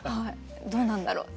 どうなんだろう？